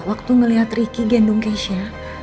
waktu ngelihat ricky gendong keisha